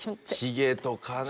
ひげとかね